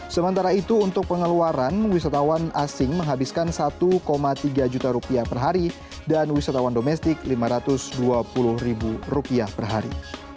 sementara itu untuk pengeluaran wisatawan asing menghabiskan satu tiga juta rupiah per hari dan wisatawan domestik rp lima ratus dua puluh ribu rupiah per hari